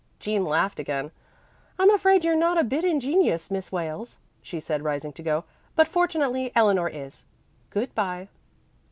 Jean laughed again. "I'm afraid you're not a bit ingenious, Miss Wales," she said rising to go, "but fortunately Eleanor is. Good bye."